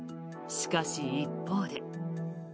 しかし、一方で。